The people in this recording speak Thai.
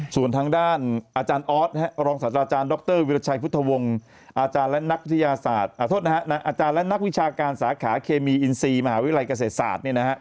ส่วนทางด้านอาจารย์ออทรองสัตว์อาจารย์ดรวิรัชัยพุทธวงศ์อาจารย์และนักวิชาการสาขาเคมีอินซีมหาวิรัยเกษตรศาสตร์